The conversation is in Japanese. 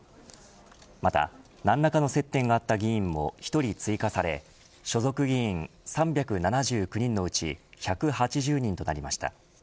また何らかの接点があった議員も１人追加され所属議員３７９人のうち１８０人となりました。